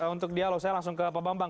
untuk dialog saya langsung ke pak bambang